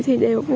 tất cả mọi người